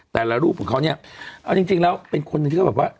แต่ละรูปของเขาเนี่ยเอาจริงแล้วเป็นคนหนึ่งที่เขาแบบว่า